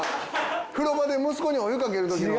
風呂場で息子にお湯かける時の。